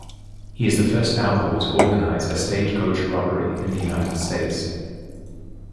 He is the first outlaw to organize a stagecoach robbery in the United States.